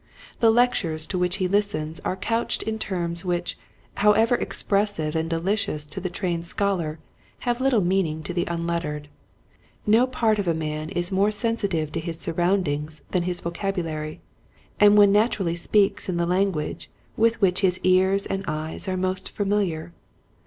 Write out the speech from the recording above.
The lectures to which he lis tens are couched in terms which, however expressive and delicious to the trained scholar, have little meaning to the un lettered. No part of a man is more sensitive to his surroundings than his vocabulary, and one naturally speaks in the language with which his ears and eyes are most familiar.